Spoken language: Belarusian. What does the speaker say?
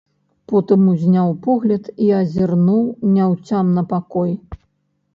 Потым узняў погляд і азірнуў няўцямна пакой.